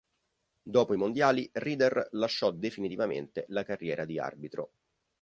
Dopo i mondiali, Reader lasciò definitivamente la carriera di arbitro.